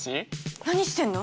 何してんの？